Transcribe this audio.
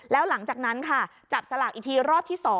แล้วหลังจากนั้นค่ะจับสลากอีกทีรอบที่๒